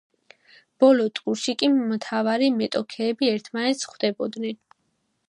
ბოლო ტურში კი მათავარი მეტოქეები ერთმანეთს ხვდებოდნენ.